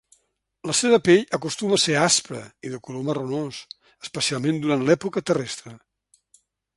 La seva pell acostuma a ser aspre i de color marronós, especialment durant l'època terrestre.